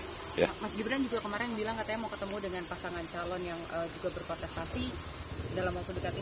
nah mas gibran juga kemarin bilang katanya mau ketemu dengan pasangan calon yang juga berkontestasi dalam waktu dekat ini